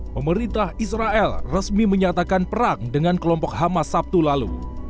pemerintah israel resmi menyatakan perang dengan kelompok hamas sabtu lalu